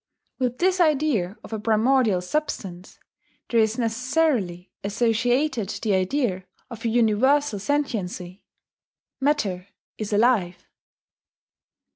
With this idea of a primordial substance there is necessarily associated the idea of a universal sentiency. Matter is alive.